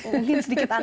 mungkin sedikit aneh ya